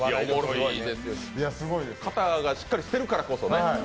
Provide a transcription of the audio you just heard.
形がしっかりしてるからこそね。